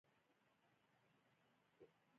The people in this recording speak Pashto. افغانستان کې سیلاني ځایونه د خلکو خوښې وړ ځای دی.